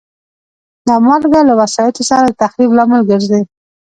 دا مالګه له وسایطو سره د تخریب لامل ګرځي.